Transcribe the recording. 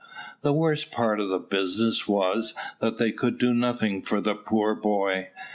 The worst part of the business was, that they could do nothing for the poor boy.